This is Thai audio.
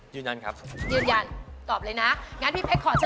ยืนยันครับค่ะ